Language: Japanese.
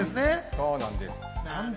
そうなんです。